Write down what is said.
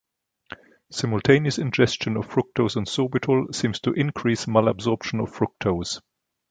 Simultaneous ingestion of fructose and sorbitol seems to increase malabsorption of fructose.